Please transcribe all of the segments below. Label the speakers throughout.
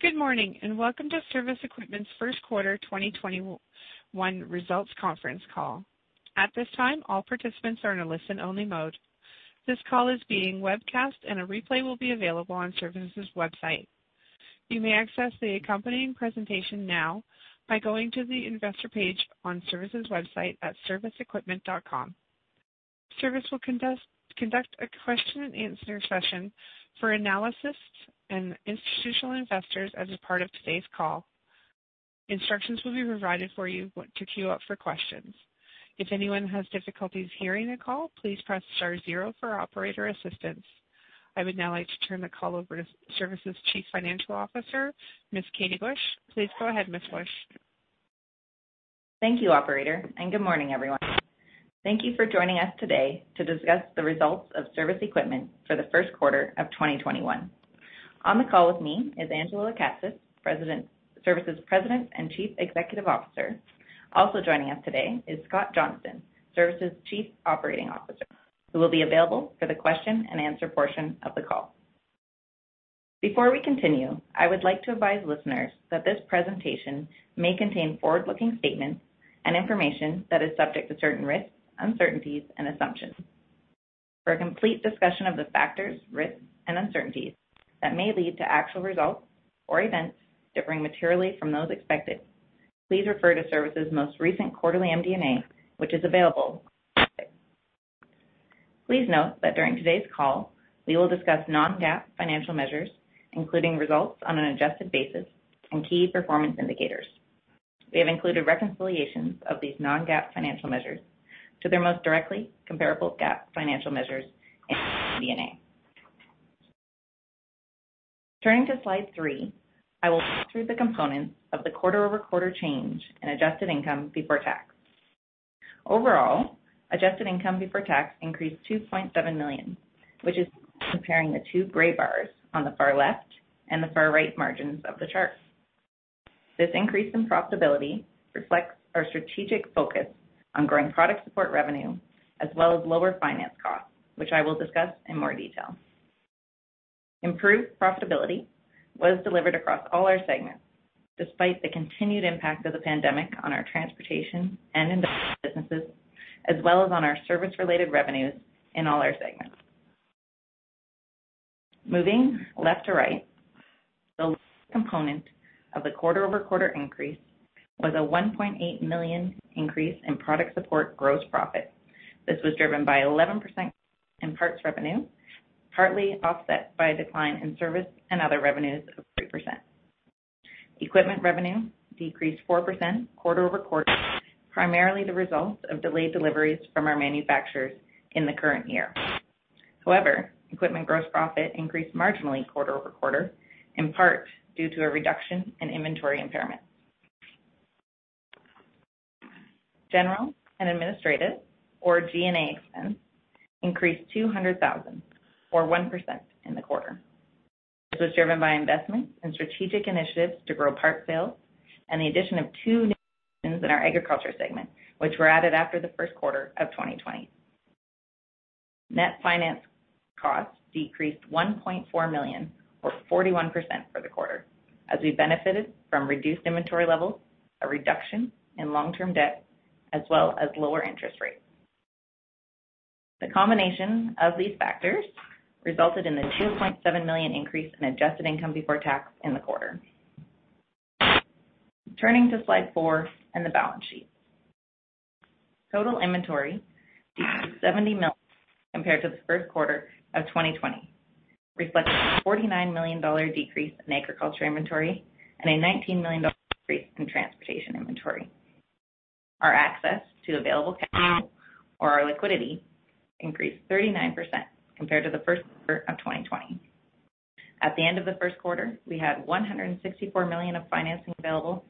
Speaker 1: Good morning, and welcome to Cervus Equipment's first quarter 2021 results conference call. At this time, all participants are in a listen-only mode. This call is being webcast, and a replay will be available on Cervus's website. You may access the accompanying presentation now by going to the investor page on Cervus's website at cervusequipment.com. Cervus will conduct a question and answer session for analysts and institutional investors as a part of today's call. Instructions will be provided for you to queue up for questions. If anyone has difficulties hearing the call, please press star zero for operator assistance. I would now like to turn the call over to Cervus's Chief Financial Officer, Ms. Catie Busch. Please go ahead, Ms. Busch.
Speaker 2: Thank you, operator. Good morning, everyone. Thank you for joining us today to discuss the results of Cervus Equipment for the first quarter of 2021. On the call with me is Angela Lekatsas, Cervus's President and Chief Executive Officer. Also joining us today is Scott Johnston, Cervus's Chief Operating Officer, who will be available for the question and answer portion of the call. Before we continue, I would like to advise listeners that this presentation may contain forward-looking statements and information that is subject to certain risks, uncertainties, and assumptions. For a complete discussion of the factors, risks, and uncertainties that may lead to actual results or events differing materially from those expected, please refer to Cervus's most recent quarterly MD&A, which is available. Please note that during today's call, we will discuss non-GAAP financial measures, including results on an adjusted basis and key performance indicators. We have included reconciliations of these non-GAAP financial measures to their most directly comparable GAAP financial measures in MD&A. Turning to slide three, I will walk through the components of the quarter-over-quarter change in adjusted income before tax. Overall, adjusted income before tax increased 2.7 million, which is comparing the two gray bars on the far left and the far right margins of the chart. This increase in profitability reflects our strategic focus on growing product support revenue as well as lower finance costs, which I will discuss in more detail. Improved profitability was delivered across all our segments, despite the continued impact of the pandemic on our transportation and industrial businesses, as well as on our Cervus-related revenues in all our segments. Moving left to right, the left component of the quarter-over-quarter increase was a 1.8 million increase in product support gross profit. This was driven by 11% in parts revenue, partly offset by a decline in Cervus and other revenues of 3%. Equipment revenue decreased 4% quarter-over-quarter, primarily the result of delayed deliveries from our manufacturers in the current year. However, equipment gross profit increased marginally quarter-over-quarter, in part due to a reduction in inventory impairment. General and administrative or G&A expense increased 200,000 or 1% in the quarter. This was driven by investments in strategic initiatives to grow parts sales and the addition of two new locations in our agriculture segment, which were added after the first quarter of 2020. Net finance costs decreased 1.4 million or 41% for the quarter as we benefited from reduced inventory levels, a reduction in long-term debt, as well as lower interest rates. The combination of these factors resulted in the 2.7 million increase in adjusted income before tax in the quarter. Turning to slide four and the balance sheet. Total inventory decreased 70 million compared to the first quarter of 2020, reflecting a 49 million dollar decrease in agriculture inventory and a 19 million dollar decrease in transportation inventory. Our access to available capital or our liquidity increased 39% compared to the first quarter of 2020. At the end of the first quarter, we had 164 million of financing available,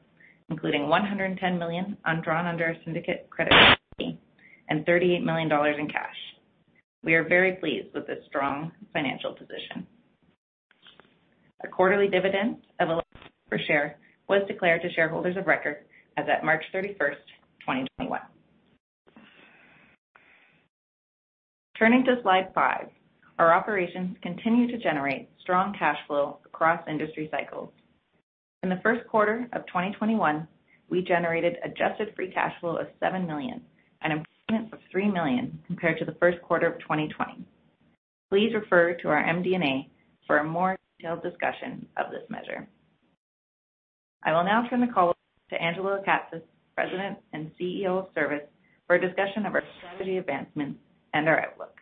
Speaker 2: including 110 million undrawn under our syndicated credit facility and 38 million dollars in cash. We are very pleased with this strong financial position. A quarterly dividend of 11 per share was declared to shareholders of record as at March 31st, 2021. Turning to slide five. Our operations continue to generate strong cash flow across industry cycles. In the first quarter of 2021, we generated adjusted free cash flow of 7 million and an increment of 3 million compared to the first quarter of 2020. Please refer to our MD&A for a more detailed discussion of this measure. I will now turn the call over to Angela Lekatsas, President and CEO of Cervus, for a discussion of our strategy advancements and our outlook.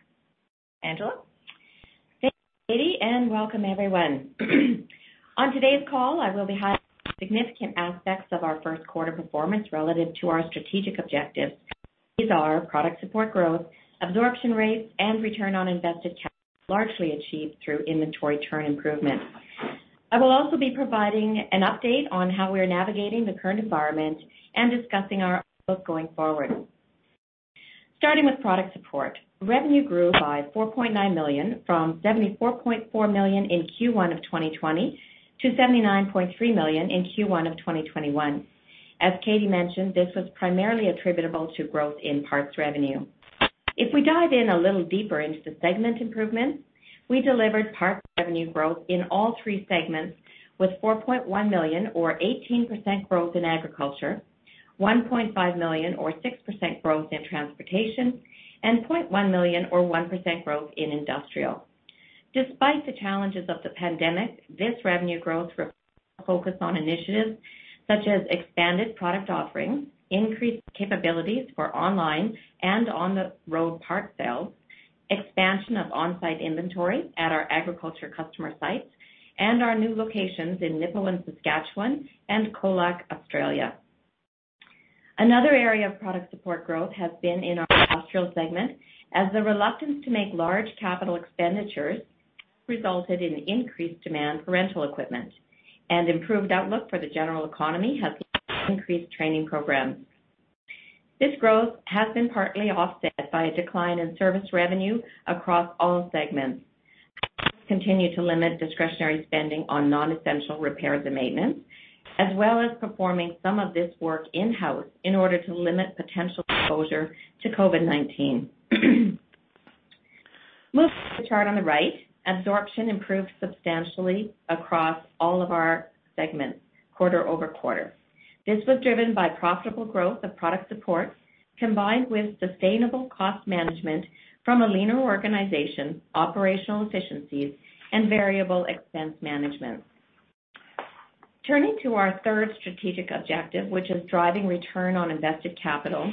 Speaker 2: Angela?
Speaker 3: Thank you, Catie, and welcome everyone. On today's call, I will be highlighting significant aspects of our first quarter performance relative to our strategic objectives. These are our product support growth, absorption rates, and return on invested capital, largely achieved through inventory turn improvement. I will also be providing an update on how we are navigating the current environment and discussing our outlook going forward. Starting with product support. Revenue grew by 4.9 million from 74.4 million in Q1 of 2020 to 79.3 million in Q1 of 2021. As Catie mentioned, this was primarily attributable to growth in parts revenue. If we dive in a little deeper into the segment improvements, we delivered parts revenue growth in all three segments with 4.1 million or 18% growth in agriculture, 1.5 million or 6% growth in transportation, and 0.1 million or 1% growth in industrial. Despite the challenges of the pandemic, this revenue growth focus on initiatives such as expanded product offerings, increased capabilities for online and on the road part sales, expansion of on-site inventory at our agriculture customer sites, and our new locations in Nipawin, Saskatchewan and Colac, Australia. Another area of product support growth has been in our industrial segment, as the reluctance to make large capital expenditures resulted in increased demand for rental equipment and improved outlook for the general economy has increased training programs. This growth has been partly offset by a decline in service revenue across all segments. Continue to limit discretionary spending on non-essential repairs and maintenance, as well as performing some of this work in-house in order to limit potential exposure to COVID-19. Moving to the chart on the right, absorption improved substantially across all of our segments quarter-over-quarter. This was driven by profitable growth of product support, combined with sustainable cost management from a leaner organization, operational efficiencies and variable expense management. Turning to our third strategic objective, which is driving return on invested capital,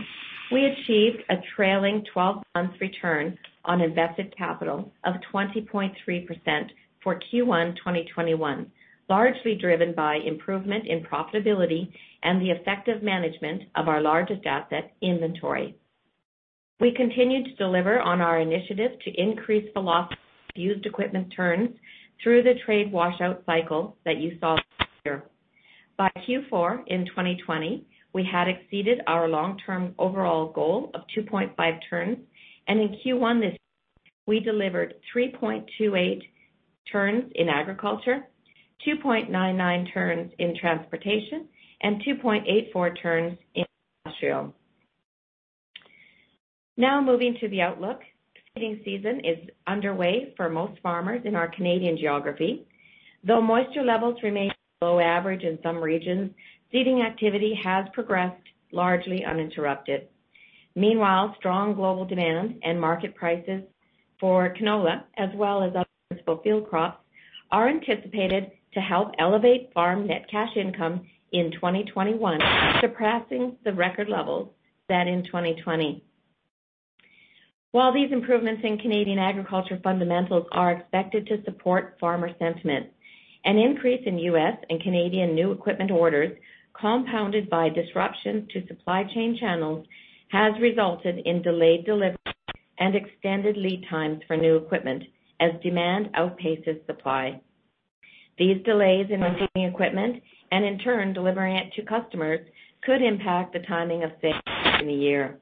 Speaker 3: we achieved a trailing 12 months return on invested capital of 20.3% for Q1 2021, largely driven by improvement in profitability and the effective management of our largest asset inventory. We continued to deliver on our initiative to increase velocity of used equipment turns through the trade washout cycle that you saw last year. By Q4 in 2020, we had exceeded our long-term overall goal of 2.5 turns, and in Q1 this year, we delivered 3.28 turns in agriculture, 2.99 turns in transportation and 2.84 turns in industrial. Moving to the outlook, seeding season is underway for most farmers in our Canadian geography. Though moisture levels remain below average in some regions, seeding activity has progressed largely uninterrupted. Meanwhile, strong global demand and market prices for canola as well as other principal field crops, are anticipated to help elevate farm net cash income in 2021, surpassing the record levels set in 2020. While these improvements in Canadian agriculture fundamentals are expected to support farmer sentiment, an increase in U.S. and Canadian new equipment orders, compounded by disruptions to supply chain channels, has resulted in delayed deliveries and extended lead times for new equipment as demand outpaces supply. These delays in receiving equipment and in turn delivering it to customers, could impact the timing of sales in the year.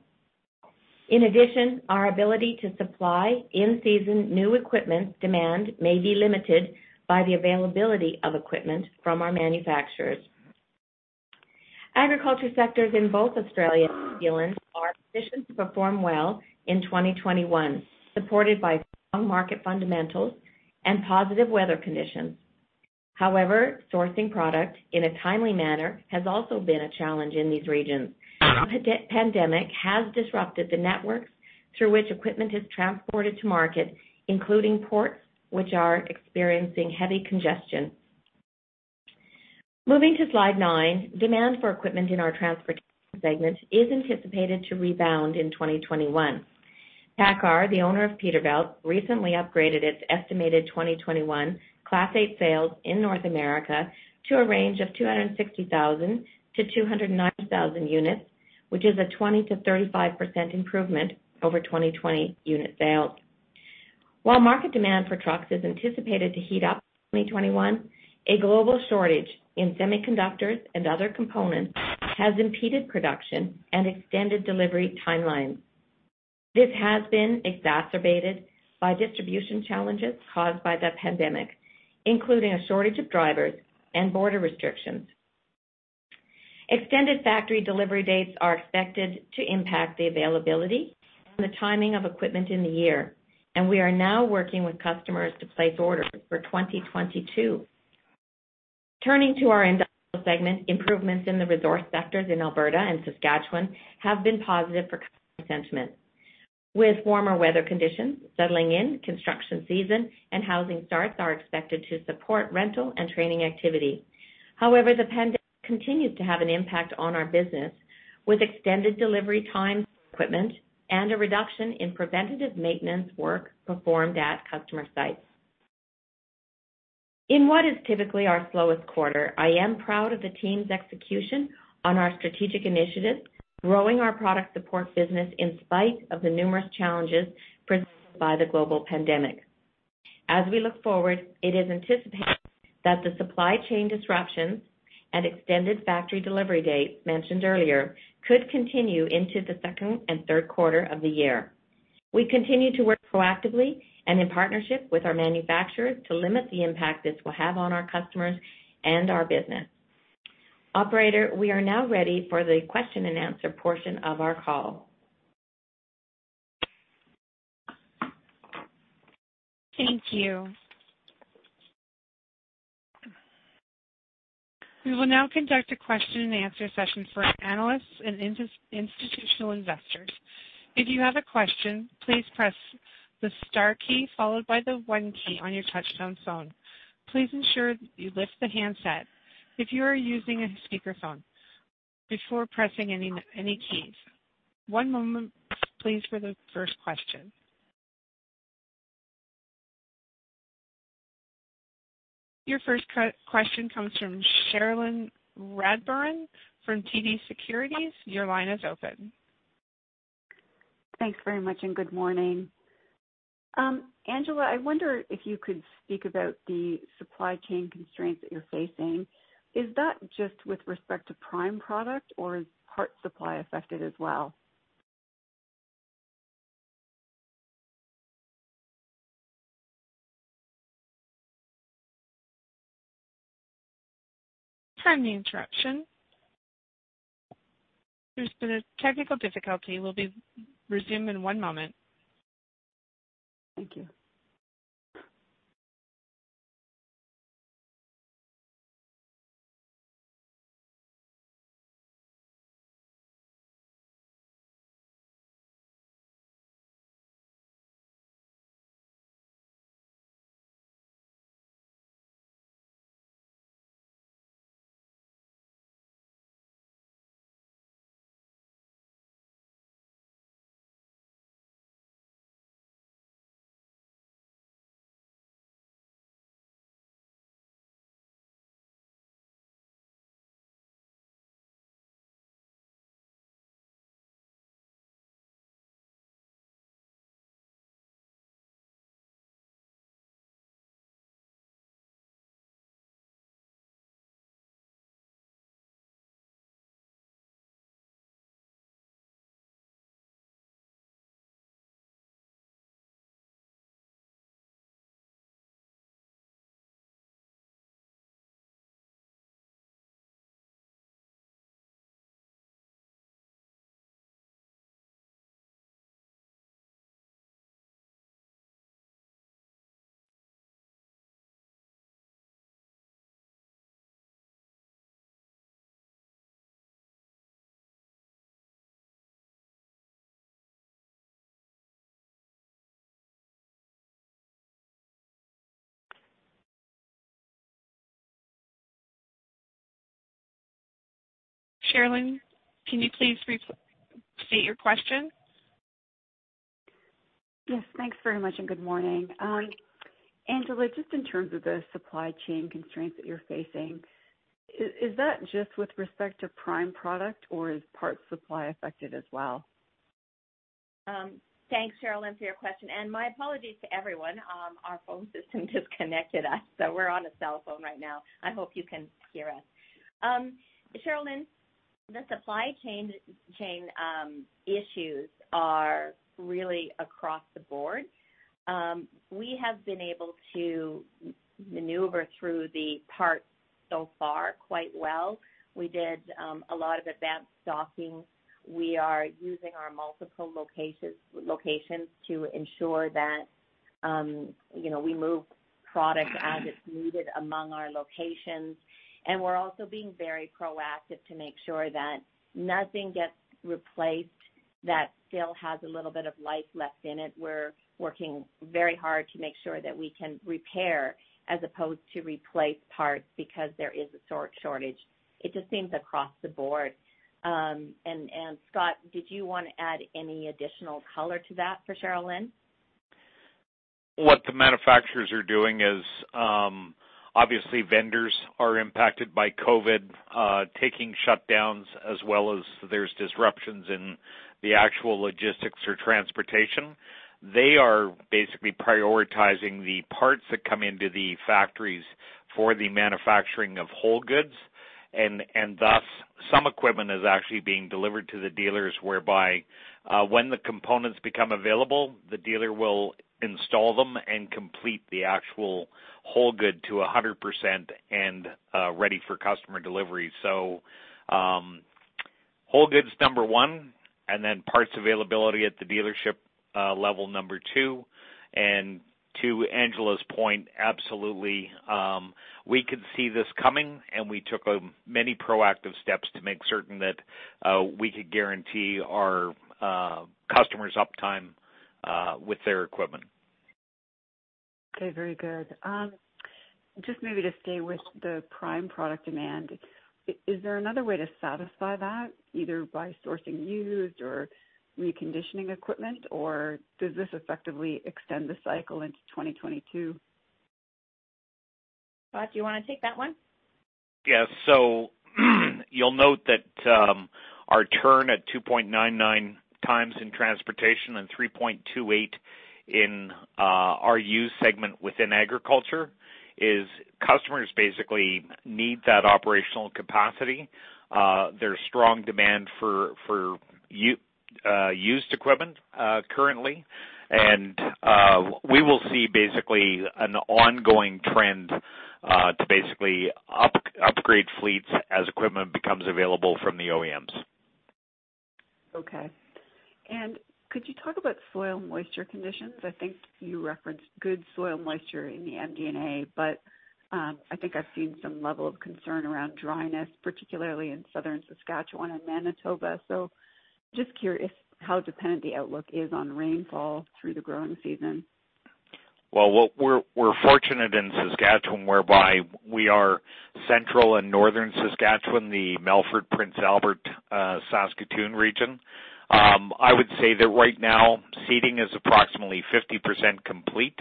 Speaker 3: In addition, our ability to supply in-season new equipment demand may be limited by the availability of equipment from our manufacturers. Agriculture sectors in both Australia and New Zealand are positioned to perform well in 2021, supported by strong market fundamentals and positive weather conditions. However, sourcing product in a timely manner has also been a challenge in these regions. The pandemic has disrupted the networks through which equipment is transported to market, including ports which are experiencing heavy congestion. Moving to Slide nine, demand for equipment in our transportation segment is anticipated to rebound in 2021. PACCAR, the owner of Peterbilt, recently upgraded its estimated 2021 Class 8 sales in North America to a range of 260,000-290,000 units, which is a 20%-35% improvement over 2020 unit sales. While market demand for trucks is anticipated to heat up in 2021, a global shortage in semiconductors and other components has impeded production and extended delivery timelines. This has been exacerbated by distribution challenges caused by the pandemic, including a shortage of drivers and border restrictions. Extended factory delivery dates are expected to impact the availability and the timing of equipment in the year, and we are now working with customers to place orders for 2022. Turning to our industrial segment, improvements in the resource sectors in Alberta and Saskatchewan have been positive for customer sentiment. With warmer weather conditions settling in, construction season and housing starts are expected to support rental and training activity. However, the pandemic continues to have an impact on our business with extended delivery times for equipment and a reduction in preventative maintenance work performed at customer sites. In what is typically our slowest quarter, I am proud of the team's execution on our strategic initiatives, growing our product support business in spite of the numerous challenges presented by the global pandemic. As we look forward, it is anticipated that the supply chain disruptions and extended factory delivery dates mentioned earlier could continue into the second and third quarter of the year. We continue to work proactively and in partnership with our manufacturers to limit the impact this will have on our customers and our business. Operator, we are now ready for the question and answer portion of our call.
Speaker 1: Thank you. We will now conduct a question and answer session for analysts and institutional investors. If you have a question, please press the star key followed by the one key on your touchtone phone. Please ensure you lift the handset if you are using a speakerphone before pressing any keys. One moment please for the first question. Your first question comes from Cherilyn Radbourne from TD Securities. Your line is open.
Speaker 4: Thanks very much, and good morning. Angela, I wonder if you could speak about the supply chain constraints that you're facing. Is that just with respect to prime product, or is parts supply affected as well?
Speaker 1: Pardon the interruption. There's been a technical difficulty. We'll be resume in one moment.
Speaker 4: Thank you.
Speaker 1: Cherilyn, can you please restate your question?
Speaker 4: Yes, thanks very much, and good morning. Angela, just in terms of the supply chain constraints that you're facing, is that just with respect to prime product, or is parts supply affected as well?
Speaker 3: Thanks, Cherilyn, for your question. My apologies to everyone. Our phone system disconnected us, so we're on a cell phone right now. I hope you can hear us. Cherilyn, the supply chain issues are really across the board. We have been able to maneuver through the parts so far quite well. We did a lot of advanced stocking. We are using our multiple locations to ensure that we move product as it's needed among our locations, and we're also being very proactive to make sure that nothing gets replaced that still has a little bit of life left in it. We're working very hard to make sure that we can repair as opposed to replace parts because there is a shortage. It just seems across the board. Scott Johnston, did you want to add any additional color to that for Cherilyn?
Speaker 5: What the manufacturers are doing is, obviously vendors are impacted by COVID, taking shutdowns as well as there's disruptions in the actual logistics or transportation. They are basically prioritizing the parts that come into the factories for the manufacturing of whole goods. Thus, some equipment is actually being delivered to the dealers whereby when the components become available, the dealer will install them and complete the actual whole good to 100% and ready for customer delivery. Whole goods, number one, and then parts availability at the dealership level, number two. To Angela's point, absolutely, we could see this coming, and we took many proactive steps to make certain that we could guarantee our customers uptime with their equipment.
Speaker 4: Okay. Very good. Just maybe to stay with the prime product demand, is there another way to satisfy that, either by sourcing used or reconditioning equipment, or does this effectively extend the cycle into 2022?
Speaker 3: Scott, do you want to take that one?
Speaker 5: You'll note that our turn at 2.99 times in transportation and 3.28 in our Used segment within agriculture is customers basically need that operational capacity. There's strong demand for Used equipment currently, and we will see basically an ongoing trend to basically upgrade fleets as equipment becomes available from the OEMs.
Speaker 4: Okay. Could you talk about soil moisture conditions? I think you referenced good soil moisture in the MD&A, but I think I've seen some level of concern around dryness, particularly in southern Saskatchewan and Manitoba. Just curious how dependent the outlook is on rainfall through the growing season?
Speaker 5: Well, we're fortunate in Saskatchewan whereby we are central and northern Saskatchewan, the Melfort, Prince Albert, Saskatoon region. I would say that right now seeding is approximately 50% complete.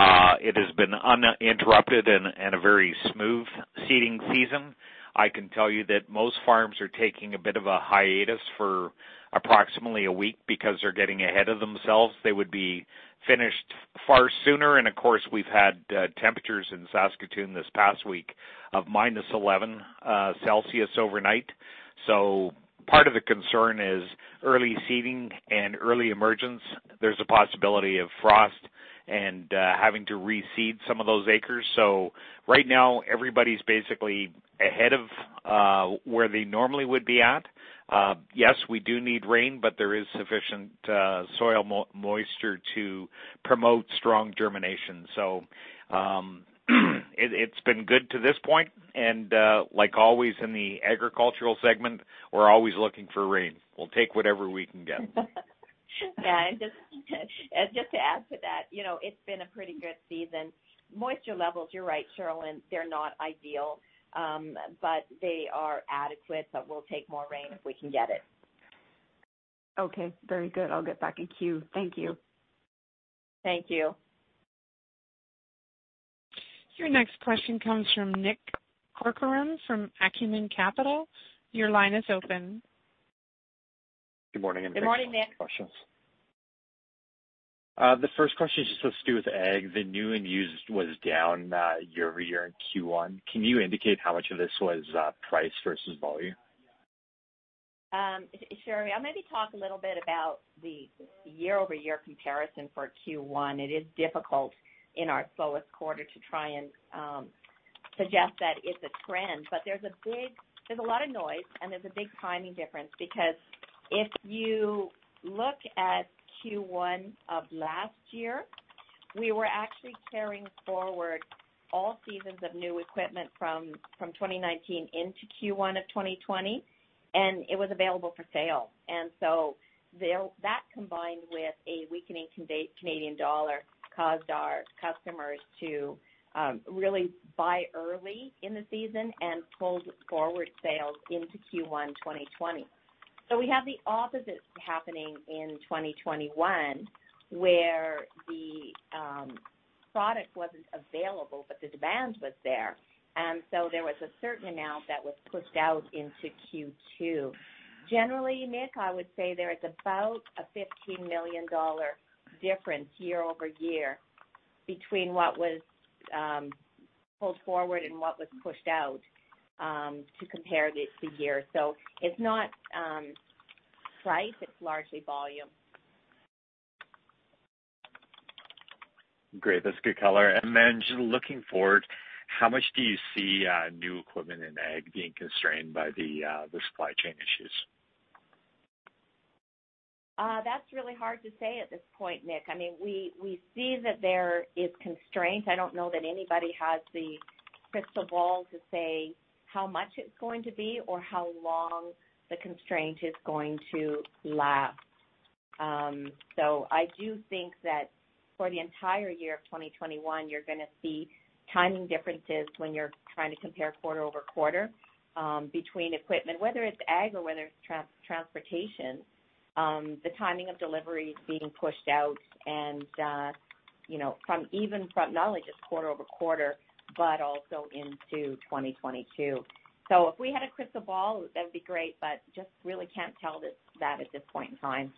Speaker 5: It has been uninterrupted and a very smooth seeding season. I can tell you that most farms are taking a bit of a hiatus for approximately one week because they're getting ahead of themselves. They would be finished far sooner, and of course, we've had temperatures in Saskatoon this past week of -11 degrees Celsius overnight. Part of the concern is early seeding and early emergence. There's a possibility of frost and having to reseed some of those acres. Right now everybody's basically ahead of where they normally would be at. Yes, we do need rain, but there is sufficient soil moisture to promote strong germination. It's been good to this point and, like always in the agricultural segment, we're always looking for rain. We'll take whatever we can get.
Speaker 3: Yeah, just to add to that, it's been a pretty good season. Moisture levels, you're right, Cherilyn, they're not ideal. They are adequate, so we'll take more rain if we can get it.
Speaker 4: Okay. Very good. I'll get back in queue. Thank you.
Speaker 3: Thank you.
Speaker 1: Your next question comes from Nick Corcoran from Acumen Capital. Your line is open.
Speaker 6: Good morning, and thanks for taking my questions.
Speaker 3: Good morning, Nick.
Speaker 6: The first question is just to do with Ag. The new and used was down year-over-year in Q1. Can you indicate how much of this was price versus volume?
Speaker 3: Sure. I'll maybe talk a little bit about the year-over-year comparison for Q1. It is difficult in our slowest quarter to try and suggest that it's a trend, but there's a lot of noise and there's a big timing difference because if you look at Q1 of last year, we were actually carrying forward all seasons of new equipment from 2019 into Q1 of 2020, and it was available for sale. That combined with a weakening Canadian dollar, caused our customers to really buy early in the season and pulled forward sales into Q1 2020. We have the opposite happening in 2021, where the product wasn't available, but the demand was there. There was a certain amount that was pushed out into Q2. Generally, Nick, I would say there is about a 15 million dollar difference year-over-year between what was pulled forward and what was pushed out to compare the two years. It's not price, it's largely volume.
Speaker 6: Great. That's good color. Just looking forward, how much do you see new equipment in Ag being constrained by the supply chain issues?
Speaker 3: That's really hard to say at this point, Nick. We see that there is constraint. I don't know that anybody has the crystal ball to say how much it's going to be or how long the constraint is going to last. I do think that for the entire year of 2021, you're going to see timing differences when you're trying to compare quarter over quarter between equipment. Whether it's Ag or whether it's transportation, the timing of delivery is being pushed out and from even from now, just quarter over quarter, but also into 2022. If we had a crystal ball, that'd be great, but just really can't tell that at this point in time.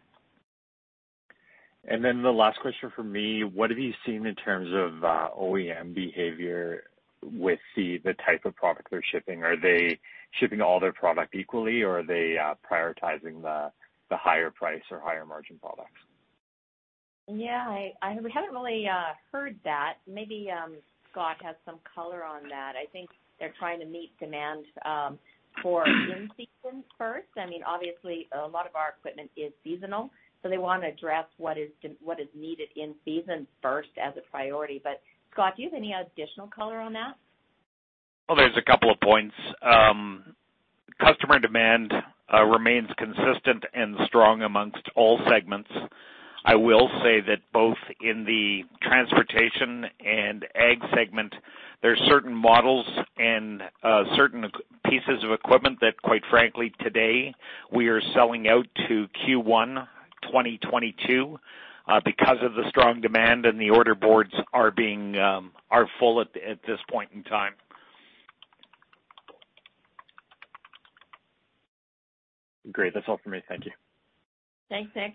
Speaker 6: The last question from me, what have you seen in terms of OEM behavior with the type of product they're shipping? Are they shipping all their product equally, or are they prioritizing the higher price or higher margin products?
Speaker 3: Yeah, we haven't really heard that. Maybe Scott has some color on that. I think they're trying to meet demand for in-season first. Obviously, a lot of our equipment is seasonal, so they want to address what is needed in season first as a priority. Scott, do you have any additional color on that?
Speaker 5: There's a couple of points. Customer demand remains consistent and strong amongst all segments. I will say that both in the transportation and Ag segment, there's certain models and certain pieces of equipment that quite frankly today we are selling out to Q1 2022 because of the strong demand and the order boards are full at this point in time.
Speaker 6: Great. That's all for me. Thank you.
Speaker 3: Thanks, Nick.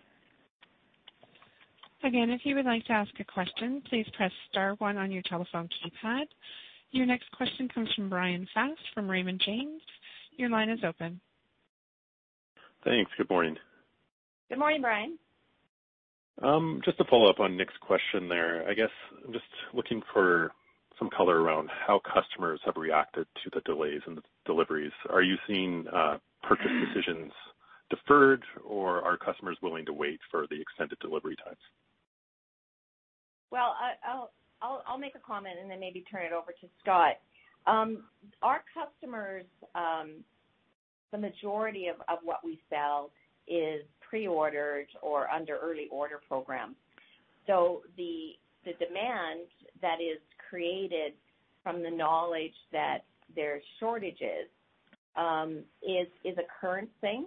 Speaker 1: Again, if you would like to ask a question, please press star one on your telephone keypad. Your next question comes from Bryan Fast from Raymond James. Your line is open.
Speaker 7: Thanks. Good morning.
Speaker 3: Good morning, Bryan.
Speaker 7: Just to follow up on Nick's question there. I guess just looking for some color around how customers have reacted to the delays in the deliveries. Are you seeing purchase decisions deferred, or are customers willing to wait for the extended delivery times?
Speaker 3: Well, I'll make a comment and then maybe turn it over to Scott. Our customers, the majority of what we sell is pre-ordered or under early order program. The demand that is created from the knowledge that there's shortages is a current thing.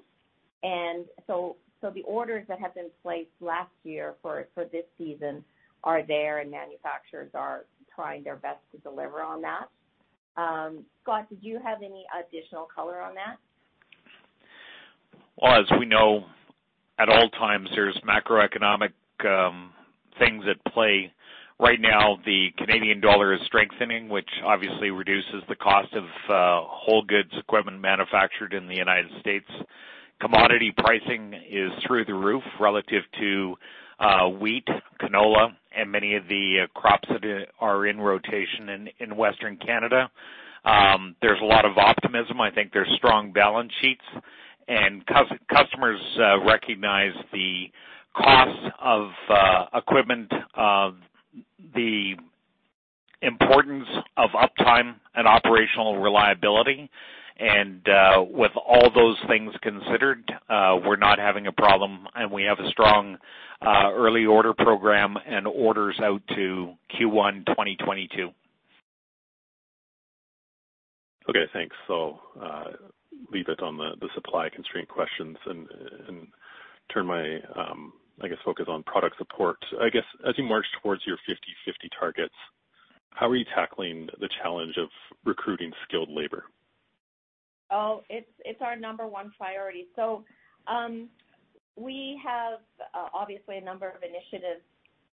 Speaker 3: The orders that have been placed last year for this season are there, and manufacturers are trying their best to deliver on that. Scott, did you have any additional color on that?
Speaker 5: Well, as we know, at all times, there's macroeconomic things at play. Right now, the Canadian dollar is strengthening, which obviously reduces the cost of whole goods equipment manufactured in the United States. Commodity pricing is through the roof relative to wheat, canola, and many of the crops that are in rotation in Western Canada. There's a lot of optimism. I think there's strong balance sheets, and customers recognize the cost of equipment, the importance of uptime and operational reliability, and with all those things considered, we're not having a problem, and we have a strong early order program and orders out to Q1 2022.
Speaker 7: Okay, thanks. Leave it on the supply constraint questions and turn my focus on product support. As you march towards your 50/50 targets, how are you tackling the challenge of recruiting skilled labor?
Speaker 3: It's our number one priority. We have, obviously, a number of initiatives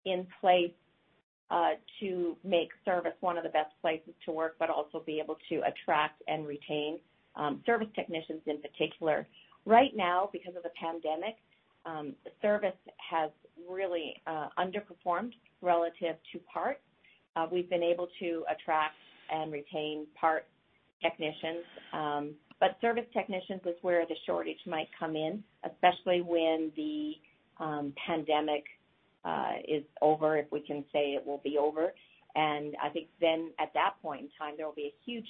Speaker 3: in place to make service one of the best places to work but also be able to attract and retain service technicians in particular. Right now, because of the pandemic, service has really underperformed relative to parts. We've been able to attract and retain parts technicians. Service technicians is where the shortage might come in, especially when the pandemic is over, if we can say it will be over. I think at that point in time, there will be a huge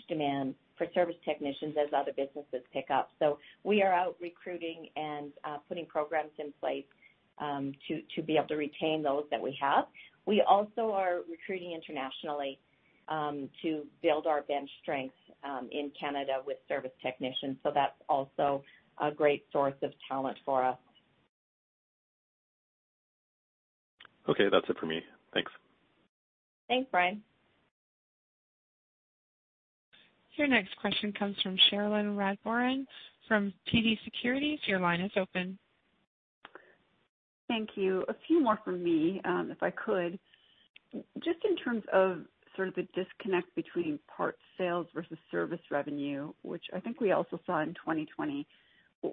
Speaker 3: demand for service technicians as other businesses pick up. We are out recruiting and putting programs in place to be able to retain those that we have. We also are recruiting internationally to build our bench strength in Canada with service technicians. That's also a great source of talent for us.
Speaker 7: Okay, that's it for me. Thanks.
Speaker 3: Thanks, Bryan.
Speaker 1: Your next question comes from Cherilyn Radbourne from TD Securities. Your line is open.
Speaker 4: Thank you. A few more from me, if I could. Just in terms of sort of the disconnect between parts sales versus service revenue, which I think we also saw in 2020,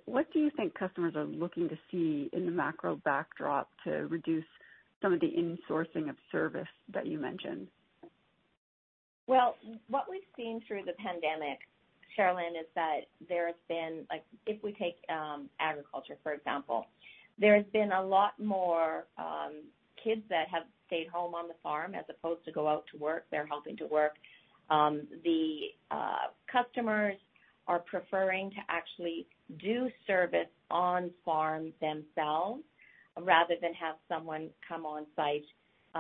Speaker 4: what do you think customers are looking to see in the macro backdrop to reduce some of the insourcing of service that you mentioned?
Speaker 3: What we've seen through the pandemic, Cherilyn, is that there has been, if we take agriculture, for example, there has been a lot more kids that have stayed home on the farm as opposed to go out to work. They're helping to work. The customers are preferring to actually do service on farm themselves rather than have someone come on-site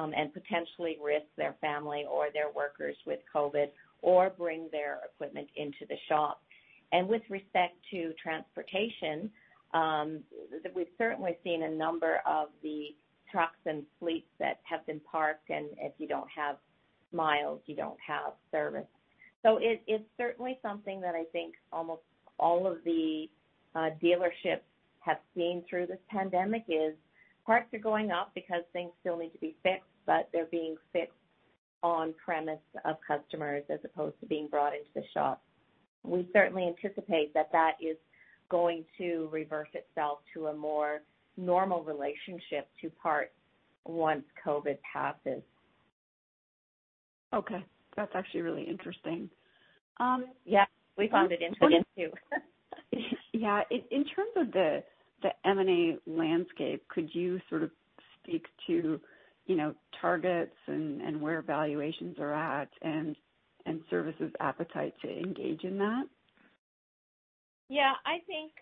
Speaker 3: and potentially risk their family or their workers with COVID or bring their equipment into the shop. With respect to transportation, we've certainly seen a number of the trucks and fleets that have been parked, and if you don't have miles, you don't have service. It's certainly something that I think almost all of the dealerships have seen through this pandemic is parts are going up because things still need to be fixed, but they're being fixed on premise of customers as opposed to being brought into the shop. We certainly anticipate that that is going to reverse itself to a more normal relationship to parts once COVID passes.
Speaker 4: Okay. That's actually really interesting.
Speaker 3: Yeah, we found it interesting too.
Speaker 4: Yeah. In terms of the M&A landscape, could you sort of speak to targets and where valuations are at and Cervus's appetite to engage in that?
Speaker 3: Yeah, I think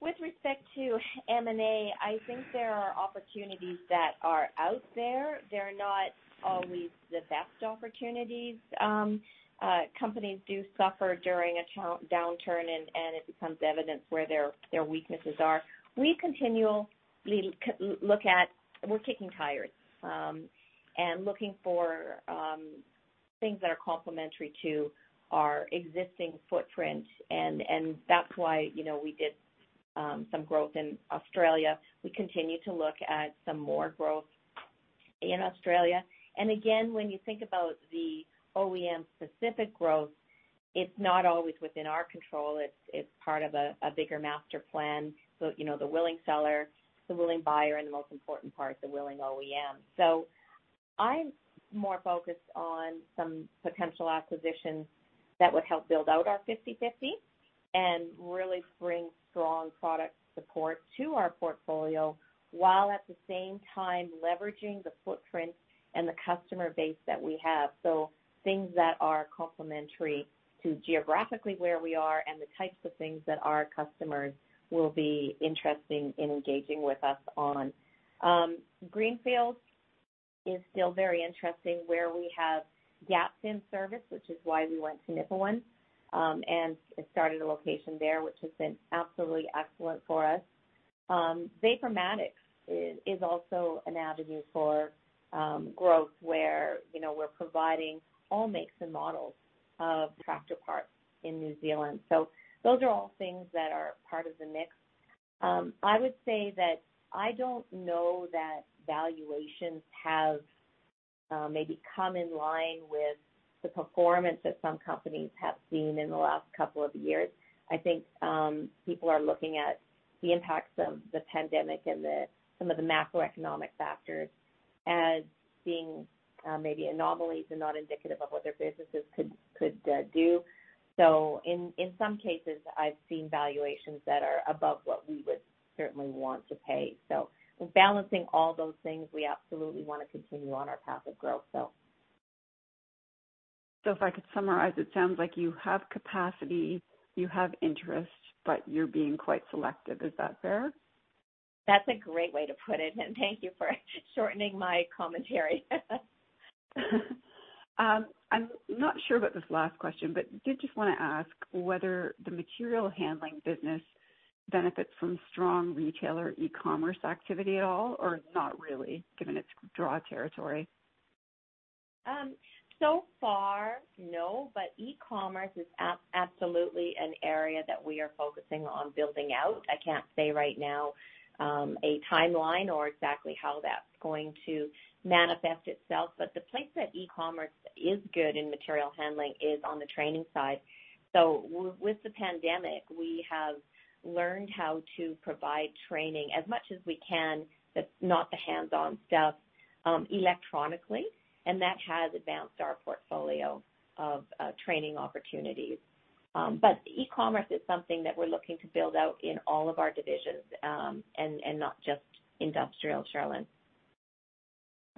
Speaker 3: with respect to M&A, I think there are opportunities that are out there. They're not always the best opportunities. Companies do suffer during a downturn, and it becomes evident where their weaknesses are. We're kicking tires and looking for things that are complementary to our existing footprint, and that's why we did some growth in Australia. We continue to look at some more growth in Australia. Again, when you think about the OEM-specific growth, it's not always within our control. It's part of a bigger master plan. The willing seller, the willing buyer, and the most important part, the willing OEM. I'm more focused on some potential acquisitions that would help build out our 50/50 and really bring strong product support to our portfolio, while at the same time leveraging the footprint and the customer base that we have. Things that are complementary to geographically where we are and the types of things that our customers will be interested in engaging with us on. Greenfield is still very interesting where we have gaps in service, which is why we went to Nipawin, and it started a location there, which has been absolutely excellent for us. Vapormatic is also an avenue for growth where we're providing all makes and models of tractor parts in New Zealand. Those are all things that are part of the mix. I would say that I don't know that valuations have maybe come in line with the performance that some companies have seen in the last couple of years. I think people are looking at the impacts of the pandemic and some of the macroeconomic factors as being maybe anomalies and not indicative of what their businesses could do. In some cases, I've seen valuations that are above what we would certainly want to pay. In balancing all those things, we absolutely want to continue on our path of growth.
Speaker 4: If I could summarize, it sounds like you have capacity, you have interest, but you're being quite selective. Is that fair?
Speaker 3: That's a great way to put it. Thank you for shortening my commentary.
Speaker 4: I'm not sure about this last question, but did just want to ask whether the material handling business benefits from strong retailer e-commerce activity at all, or not really, given its raw territory?
Speaker 3: So far, no, but e-commerce is absolutely an area that we are focusing on building out. I can't say right now a timeline or exactly how that's going to manifest itself. The place that e-commerce is good in material handling is on the training side. With the pandemic, we have learned how to provide training as much as we can, but not the hands-on stuff electronically, and that has advanced our portfolio of training opportunities. E-commerce is something that we're looking to build out in all of our divisions, and not just industrial, Cherilyn Radbourne.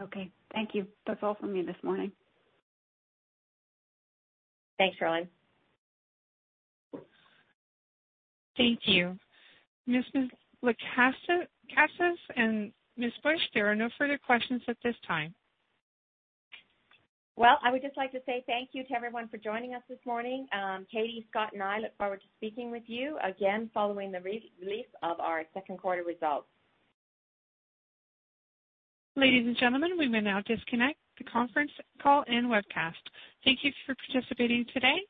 Speaker 4: Okay. Thank you. That's all from me this morning.
Speaker 3: Thanks, Cherilyn.
Speaker 1: Thank you. Angela Lekatsas and Ms. Cistone, there are no further questions at this time.
Speaker 3: Well, I would just like to say thank you to everyone for joining us this morning. Catie, Scott, and I look forward to speaking with you again following the release of our second quarter results.
Speaker 1: Ladies and gentlemen, we may now disconnect the conference call and webcast. Thank you for participating today.